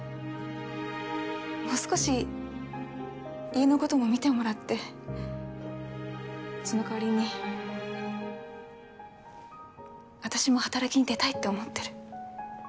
もう少し家のことも見てもらってその代わりに私も働きに出たいって思ってる。